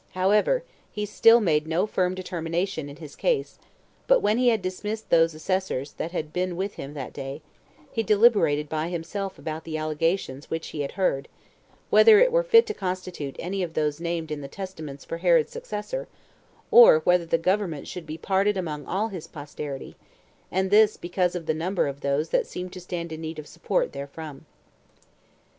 However, he still made no firm determination in his case; but when he had dismissed those assessors that had been with him that day, he deliberated by himself about the allegations which he had heard, whether it were fit to constitute any of those named in the testaments for Herod's successor, or whether the government should be parted among all his posterity, and this because of the number of those that seemed to stand in need of support therefrom.